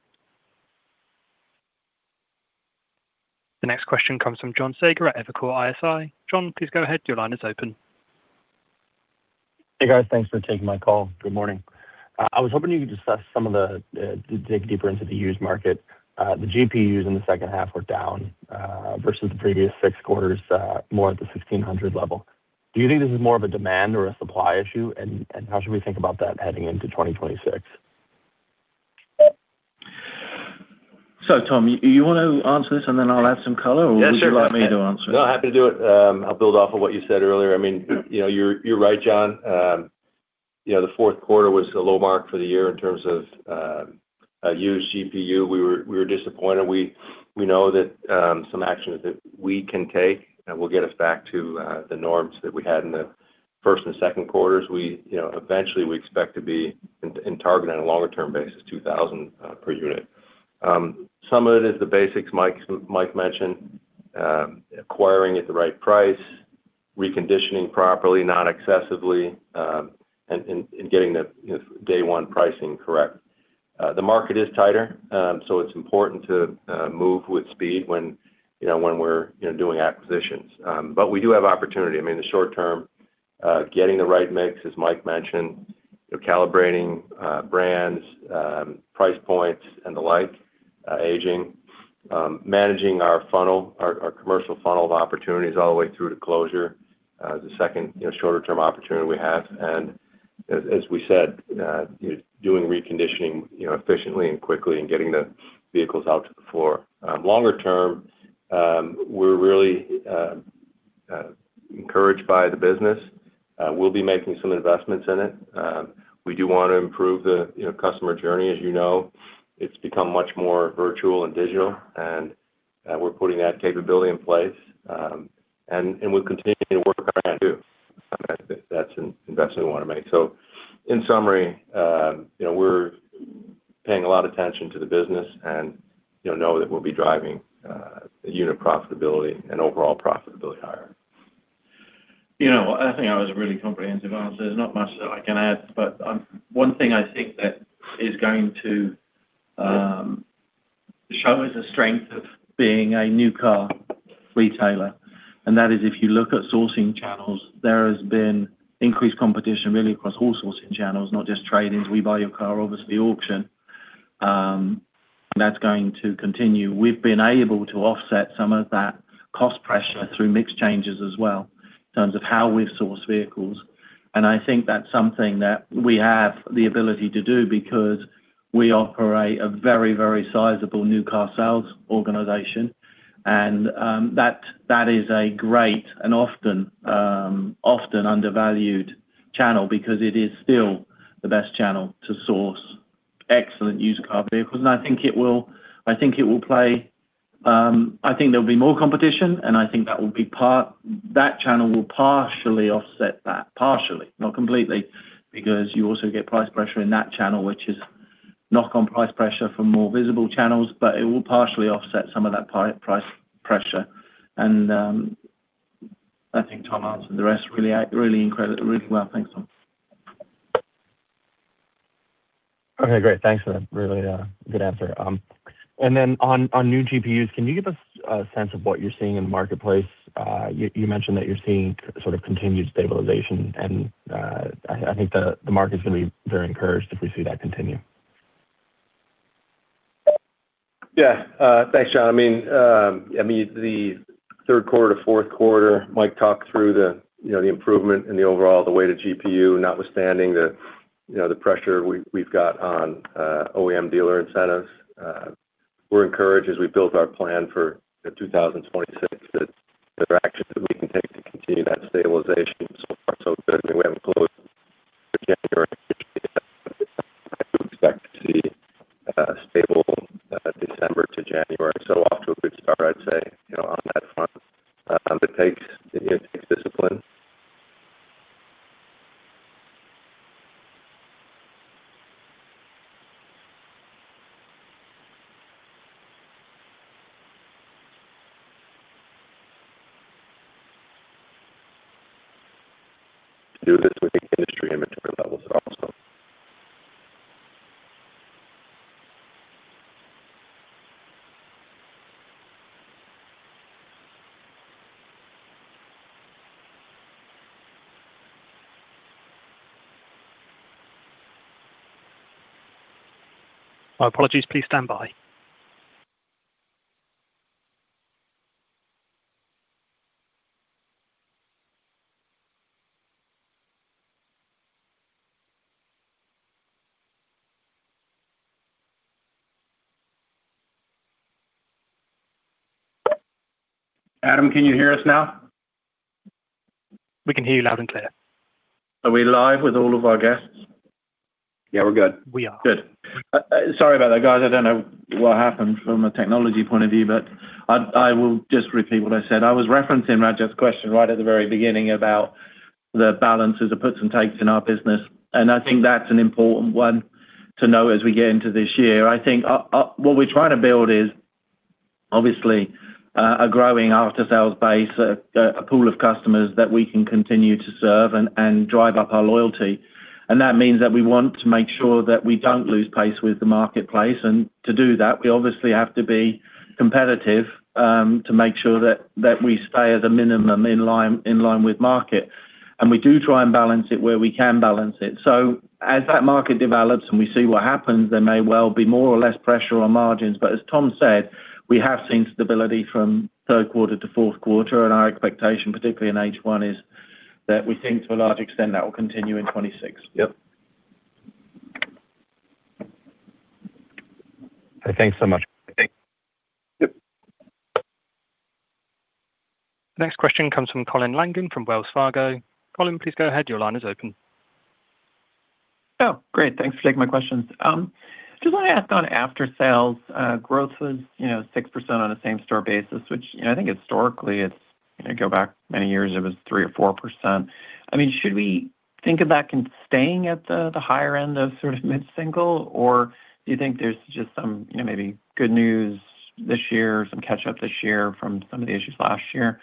The next question comes from John Saager at Evercore ISI. John, please go ahead. Your line is open. Hey, guys. Thanks for taking my call. Good morning. I was hoping you could discuss some of the, dig deeper into the used market. The GPUs in the second half were down, versus the previous six quarters, more at the $1,600 level. Do you think this is more of a demand or a supply issue, and, and how should we think about that heading into 2026? So, Tom, do you want to answer this, and then I'll add some color? Yes, sure. Or would you like me to answer it? No, happy to do it. I'll build off of what you said earlier. I mean, you know, you're right, John. You know, the fourth quarter was a low mark for the year in terms of used GPU. We were disappointed. We know that some actions that we can take, and will get us back to the norms that we had in the first and second quarters. We, you know, eventually we expect to be in target on a longer-term basis, 2,000 per unit. Some of it is the basics Mike mentioned, acquiring at the right price, reconditioning properly, not excessively, and getting the day one pricing correct. The market is tighter, so it's important to move with speed when, you know, when we're, you know, doing acquisitions. But we do have opportunity. I mean, the short term, getting the right mix, as Mike mentioned, you know, calibrating, brands, price points and the like, aging. Managing our funnel, our, our commercial funnel of opportunities all the way through to closure, the second, you know, shorter-term opportunity we have. And as, as we said, doing reconditioning, you know, efficiently and quickly and getting the vehicles out to the floor. Longer term, we're really encouraged by the business. We'll be making some investments in it. We do want to improve the, you know, customer journey. As you know, it's become much more virtual and digital, and we're putting that capability in place. And we'll continue to work on that too. That's an investment we want to make. So in summary, you know, we're paying a lot of attention to the business and you know that we'll be driving the unit profitability and overall profitability higher. You know, I think that was a really comprehensive answer. There's not much that I can add, but, one thing I think that is going to show is the strength of being a new car retailer, and that is, if you look at sourcing channels, there has been increased competition really across all sourcing channels, not just trade-ins. We buy your car, obviously, auction, that's going to continue. We've been able to offset some of that cost pressure through mix changes as well, in terms of how we've sourced vehicles. And I think that's something that we have the ability to do because we operate a very, very sizable new car sales organization, and, that, that is a great and often, often undervalued channel because it is still the best channel to source excellent used car vehicles. And I think it will... I think it will play. I think there will be more competition, and I think that will be part that channel will partially offset that. Partially, not completely, because you also get price pressure in that channel, which is knock on price pressure from more visible channels, but it will partially offset some of that price pressure. And, I think Tom answered the rest really, really incredibly, really well. Thanks, Tom. Okay, great. Thanks for that. Really, good answer. And then on new GPUs, can you give us a sense of what you're seeing in the marketplace? You mentioned that you're seeing sort of continued stabilization, and I think the market is going to be very encouraged if we see that continue. Yeah, thanks, John. I mean, I mean, the third quarter to fourth quarter, Mike talked through the, you know, the improvement in the overall, the weighted GPU, notwithstanding the, you know, the pressure we, we've got on, OEM dealer incentives. We're encouraged as we built our plan for the 2026, that there are actions that we can take to continue that stabilization. So far, so good. I mean, we haven't closed January. I expect to see, stable, December to January. So off to a good start, I'd say, you know, on that front. It takes, it takes discipline. To do this with the industry inventory levels also. My apologies. Please stand by.... Adam, can you hear us now? We can hear you loud and clear. Are we live with all of our guests? Yeah, we're good. We are. Good. Sorry about that, guys. I don't know what happened from a technology point of view, but I will just repeat what I said. I was referencing Raj's question right at the very beginning about the balances, the puts and takes in our business, and I think that's an important one to know as we get into this year. I think what we're trying to build is obviously a growing after-sales base, a pool of customers that we can continue to serve and drive up our loyalty. And that means that we want to make sure that we don't lose pace with the marketplace, and to do that, we obviously have to be competitive to make sure that we stay at a minimum, in line, in line with market. We do try and balance it where we can balance it. As that market develops and we see what happens, there may well be more or less pressure on margins, but as Tom said, we have seen stability from third quarter to fourth quarter, and our expectation, particularly in H1, is that we think to a large extent, that will continue in 2026. Yep. Thanks so much. Yep. Next question comes from Colin Langan, from Wells Fargo. Colin, please go ahead. Your line is open. Oh, great. Thanks for taking my questions. Just want to ask on aftersales, growth was, you know, 6% on a same-store basis, which, you know, I think historically it's, you know, go back many years, it was 3% or 4%. I mean, should we think of that staying at the, the higher end of sort of mid-single, or do you think there's just some, you know, maybe good news this year, some catch-up this year from some of the issues last year?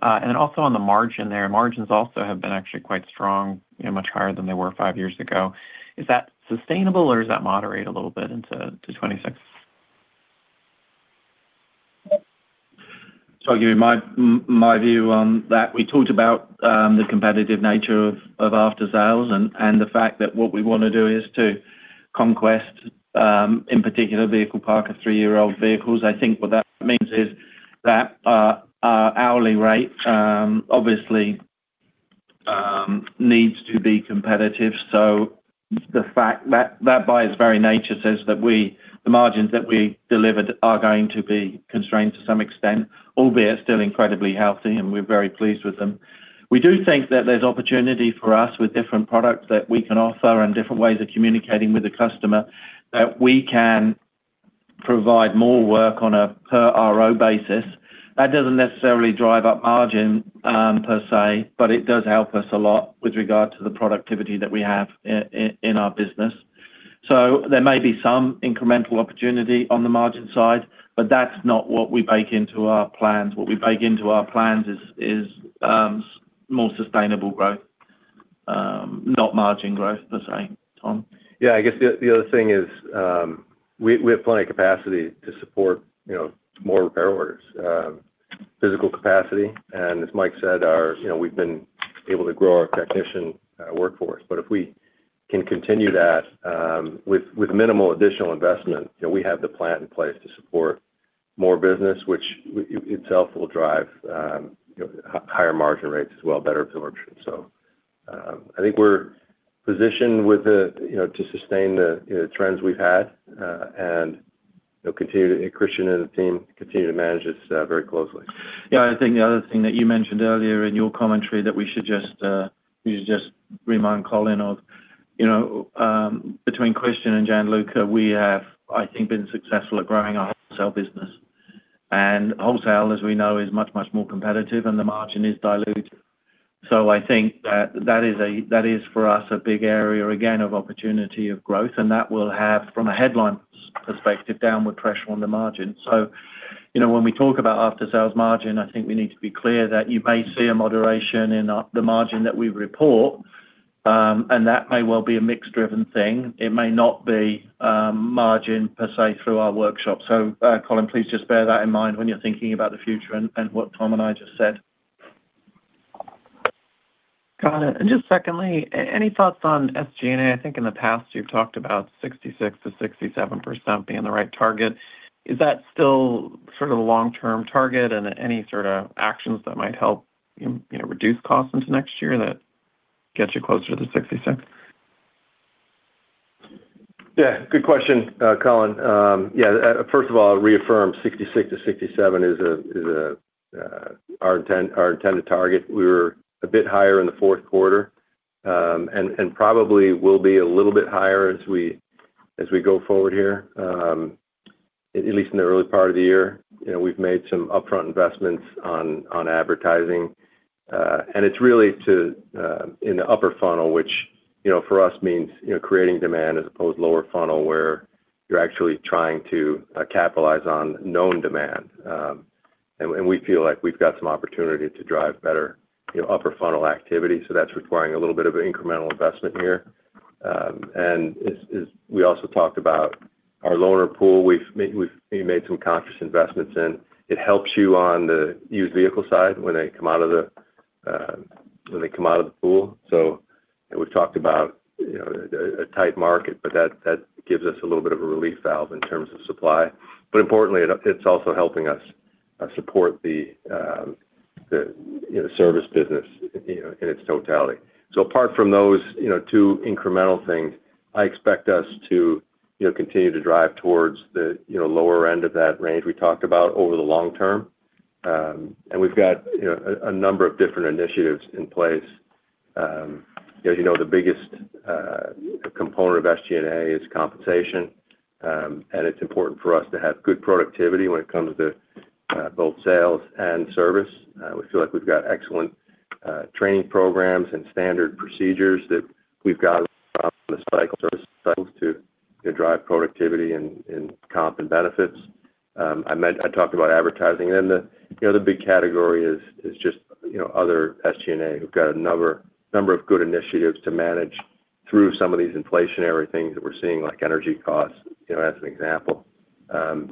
And then also on the margin there, margins also have been actually quite strong, you know, much higher than they were five years ago. Is that sustainable or does that moderate a little bit into, to 2026? So I'll give you my view on that. We talked about the competitive nature of aftersales and the fact that what we want to do is to conquest in particular vehicle park of three-year-old vehicles. I think what that means is that our hourly rate obviously needs to be competitive. So the fact that that by its very nature says that we the margins that we delivered are going to be constrained to some extent, albeit still incredibly healthy, and we're very pleased with them. We do think that there's opportunity for us with different products that we can offer and different ways of communicating with the customer, that we can provide more work on a per RO basis. That doesn't necessarily drive up margin, per se, but it does help us a lot with regard to the productivity that we have in our business. So there may be some incremental opportunity on the margin side, but that's not what we bake into our plans. What we bake into our plans is more sustainable growth, not margin growth per se. Tom? Yeah, I guess the other thing is, we have plenty of capacity to support, you know, more repair orders, physical capacity. And as Mike said, you know, we've been able to grow our technician workforce. But if we can continue that, with minimal additional investment, you know, we have the plan in place to support more business, which itself will drive, you know, higher margin rates as well, better absorption. So, I think we're positioned, you know, to sustain the trends we've had, and, you know, continue to... Christian and the team continue to manage this very closely. Yeah, I think the other thing that you mentioned earlier in your commentary that we should just, we should just remind Colin of, you know, between Christian and Gianluca, we have, I think, been successful at growing our wholesale business. And wholesale, as we know, is much, much more competitive and the margin is diluted. So I think that is, for us, a big area, again, of opportunity of growth, and that will have, from a headline perspective, downward pressure on the margin. So, you know, when we talk about aftersales margin, I think we need to be clear that you may see a moderation in, the margin that we report, and that may well be a mix-driven thing. It may not be, margin per se, through our workshop. Colin, please just bear that in mind when you're thinking about the future and what Tom and I just said. Got it. And just secondly, any thoughts on SG&A? I think in the past you've talked about 66%-67% being the right target. Is that still sort of the long-term target and any sort of actions that might help, you, you know, reduce costs into next year that gets you closer to 66%? Yeah, good question, Colin. Yeah, first of all, reaffirm 66-67 is a, is a, our intent, our intended target. We were a bit higher in the fourth quarter, and probably will be a little bit higher as we go forward here, at least in the early part of the year. You know, we've made some upfront investments on advertising, and it's really to in the upper funnel, which, you know, for us means, you know, creating demand as opposed to lower funnel, where you're actually trying to capitalize on known demand. And we feel like we've got some opportunity to drive better, you know, upper funnel activity, so that's requiring a little bit of incremental investment here. And as we also talked about our loaner pool, we've made some conscious investments in. It helps you on the used vehicle side when they come out of the pool. So we've talked about, you know, a tight market, but that gives us a little bit of a relief valve in terms of supply. But importantly, it's also helping us support the service business, you know, in its totality. So apart from those, you know, two incremental things, I expect us to, you know, continue to drive towards the, you know, lower end of that range we talked about over the long term. And we've got, you know, a number of different initiatives in place. As you know, the biggest component of SG&A is compensation, and it's important for us to have good productivity when it comes to both sales and service. We feel like we've got excellent training programs and standard procedures that we've got on the cycle, service cycles to drive productivity and comp and benefits. I meant—I talked about advertising. And then the, you know, the big category is just, you know, other SG&A. We've got a number of good initiatives to manage through some of these inflationary things that we're seeing, like energy costs, you know, as an example.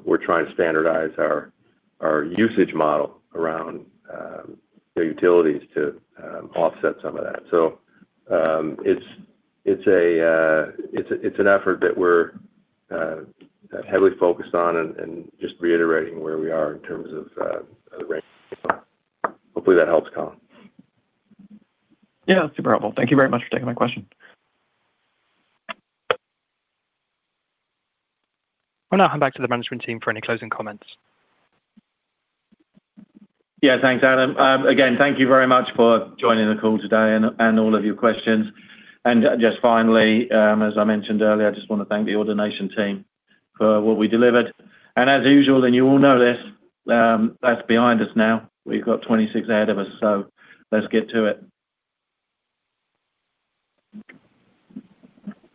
We're trying to standardize our usage model around the utilities to offset some of that. So, it's an effort that we're heavily focused on and just reiterating where we are in terms of the range. Hopefully, that helps, Colin. Yeah, super helpful. Thank you very much for taking my question. We'll now head back to the management team for any closing comments. Yeah. Thanks, Adam. Again, thank you very much for joining the call today and, and all of your questions. And just finally, as I mentioned earlier, I just wanna thank the operations team for what we delivered. And as usual, and you all know this, that's behind us now. We've got 2026 ahead of us, so let's get to it.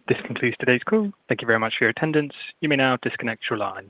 This concludes today's call. Thank you very much for your attendance. You may now disconnect your line.